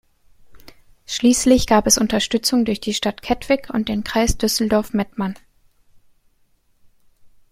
Schließlich gab es Unterstützung durch die Stadt Kettwig und den Kreis Düsseldorf-Mettmann.